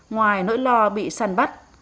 ngoài nỗi lo bị săn bắt